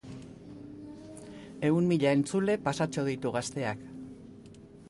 Ehun mila entzule pasatxo ditu Gazteak.